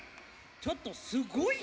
ちょっとすごい。